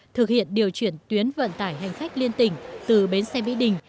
thực hiện điều chuyển tuyến vận tải hành khách liên tỉnh từ bến xe mỹ đình